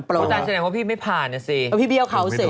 เขาจ่ายแสดงว่าพี่ไม่ผ่านอะสิไม่เคยโดนว่าพี่เบี้ยวเขาเสร็จ